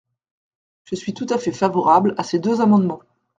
Je suis tout à fait favorable à ces deux amendements.